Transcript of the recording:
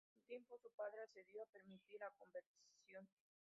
Tras algún tiempo su padre accedió a permitir la conversión.